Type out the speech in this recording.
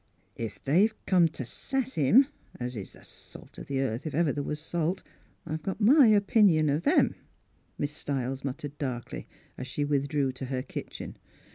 " Ef they've come t' sass him — as is the salt of the earth, if ever there was salt — I've got my opinion of 'em," Miss Stiles muttered darkly, as she withdrew to her kitchen.